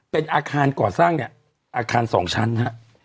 เป็นอาคารก่อสร้างเนี่ยอาคาร๒ชั้นฮะ